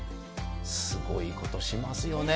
すごいことしますよね。